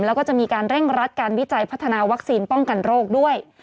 แล้วก็จะมีการเร่งรัดการวิจัยพัฒนาวัคซีนป้องกันโรคด้วย